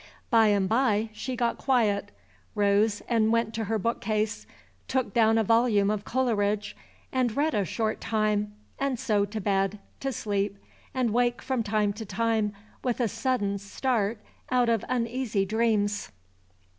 By and by she got quiet, rose and went to her bookcase, took down a volume of Coleridge, and read a short time, and so to bed, to sleep and wake from time to time with a sudden start out of uneasy dreams.